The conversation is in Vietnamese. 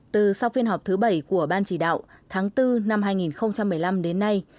từ sau phiên họp thứ bảy của ban chỉ đạo tháng bốn năm hai nghìn một mươi năm đến nay